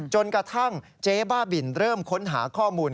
จนกระทั่งเจ๊บ้าบินเริ่มค้นหาข้อมูล